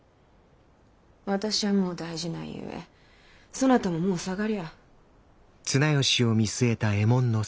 私はもう大事ないゆえそなたももう下がりゃ。